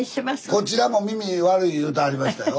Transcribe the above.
こちらも耳悪い言うてはりましたよ。